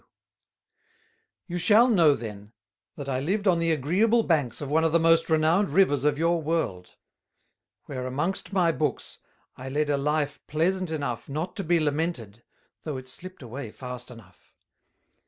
You shall know then, that I lived on the agreeable Banks of one of the most renowned Rivers of your World, where amongst my Books, I lead a Life pleasant enough not to be lamented, though it slipt away fast enough.